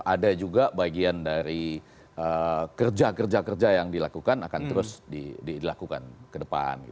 ada juga bagian dari kerja kerja kerja yang dilakukan akan terus dilakukan ke depan